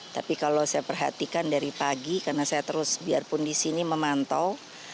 tapi kalau saya perhatikan dari pagi karena saya terus biarpun di sini memantau